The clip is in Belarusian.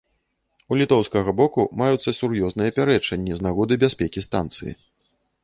У літоўскага боку маюцца сур'ёзныя пярэчанні з нагоды бяспекі станцыі.